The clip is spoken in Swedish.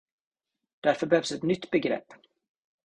Därför behövs ett nytt begrepp.